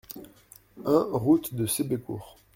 un route de Sébécourt